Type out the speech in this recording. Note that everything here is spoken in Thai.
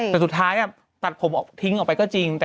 แต่สุดท้ายตัดผมออกทิ้งออกไปก็จริง